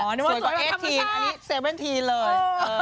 นึกว่าสวยแบบธรรมชาติสวยกว่า๑๘อันนี้๑๗เลย